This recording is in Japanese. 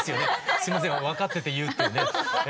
すいません分かってて言うっていうね。